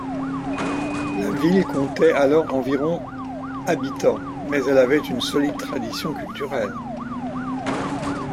La ville comptait alors environ habitants mais elle avait une solide tradition culturelle.